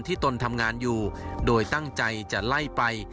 ตนทำงานอยู่โดยตั้งใจจะไล่ไป